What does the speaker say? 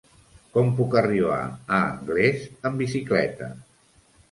Com puc arribar a Anglès amb bicicleta?